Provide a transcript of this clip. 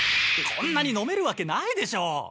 こんなに飲めるわけないでしょ！